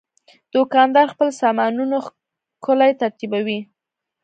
دوکاندار خپل سامانونه ښکلي ترتیبوي.